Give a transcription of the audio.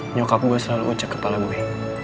nyokap gue selalu ucap kepala gue